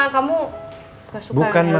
gak suka hamil